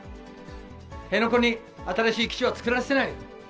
辺野古に新しい基地は作らせない。